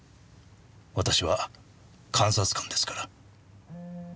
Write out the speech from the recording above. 私は監察官ですから。